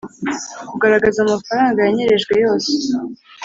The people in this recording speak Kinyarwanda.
kugaragaza amafaranga yanyerejwe yose